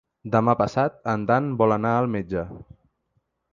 Demà passat en Dan vol anar al metge.